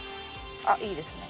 あっいいですね。